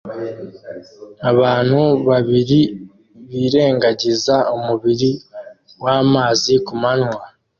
Abantu babiri birengagiza umubiri wamazi kumanywa